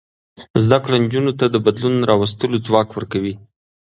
زده کړه نجونو ته د بدلون راوستلو ځواک ورکوي.